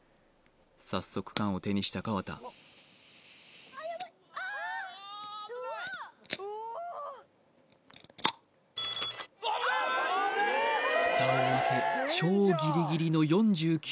早速缶を手にした河田ふたを開け超ギリギリの４９